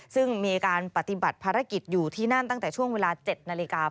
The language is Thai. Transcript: ซึ่งมีการปฏิบัติภารกิจอยู่ที่นั่นตั้งแต่ช่วงเวลา๗นาฬิกา